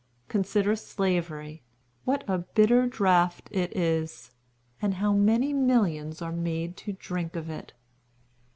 Consider Slavery, what a bitter draught it is, and how many millions are made to drink of it.'